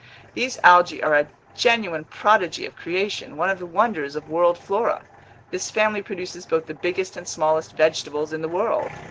These algae are a genuine prodigy of creation, one of the wonders of world flora. This family produces both the biggest and smallest vegetables in the world.